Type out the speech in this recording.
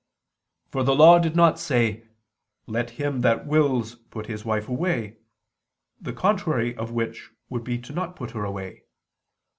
"For the Law did not say: 'Let him that wills, put his wife away': the contrary of which would be not to put her away.